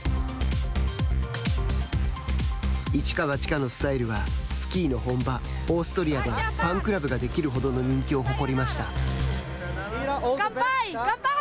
一か八かのスタイルはスキーの本場、オーストリアでファンクラブができるほどの人気を誇りました。